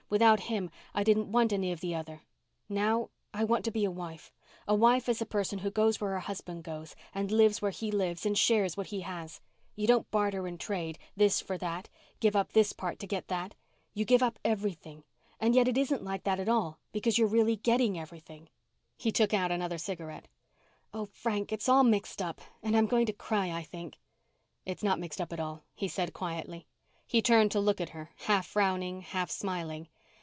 Without him I didn't want any of the other. Now ... I want to be a wife. A wife is a person who goes where her husband goes and lives where he lives and shares what he has. You don't barter and trade this for that give up this part to get that. You give up everything and yet it isn't like that at all because you're really getting everything." He took out another cigarette. "Oh, Frank, it's all mixed up and I'm going to cry, I think." "It's not mixed up at all," he said quietly. He turned to look at her, half frowning, half smiling.